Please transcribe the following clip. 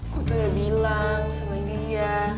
aku pernah bilang sama dia